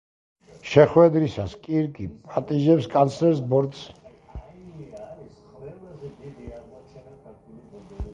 შეხვედრისას კირკი პატიჟებს კანცლერს ბორტზე.